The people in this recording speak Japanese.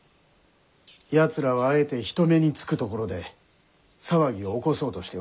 やつらはあえて人目につく所で騒ぎを起こそうとしておる。